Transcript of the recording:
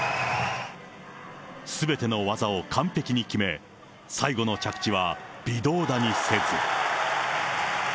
すべての技を完璧に決め、最後の着地は微動だにせず。